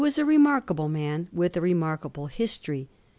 a remarkable maa with a remarkable history.